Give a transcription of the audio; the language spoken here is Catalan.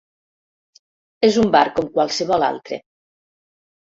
És un bar com qualsevol altre.